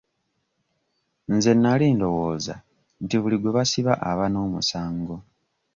Nze nali ndowooza nti buli gwe basiba aba n'omusango.